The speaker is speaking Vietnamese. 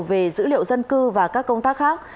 về dữ liệu dân cư và các công tác khác